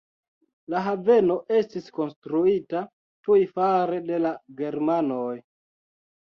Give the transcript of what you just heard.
La haveno estis konstruita tuj fare de la germanoj.